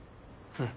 うん。